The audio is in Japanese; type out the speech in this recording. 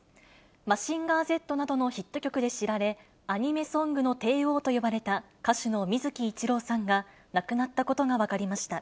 マジンガーＺなどのヒット曲で知られ、アニメソングの帝王と呼ばれた歌手の水木一郎さんが亡くなったことが分かりました。